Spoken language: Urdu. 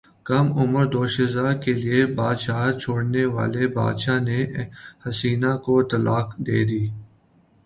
کم عمر دوشیزہ کیلئے بادشاہت چھوڑنے والے بادشاہ نے حسینہ کو طلاق دیدی